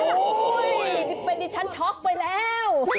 โอ้ยวเผยดิชันช็อคไปแล้ว